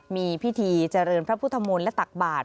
มีพิธีเจริญพระพุทธมนต์และตักบาท